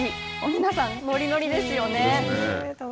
皆さん、ノリノリですよね。